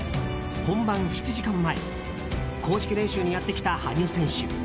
本番７時間前公式練習にやってきた羽生選手。